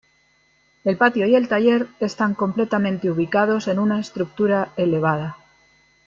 El patio y el taller están completamente ubicados en una estructura elevada.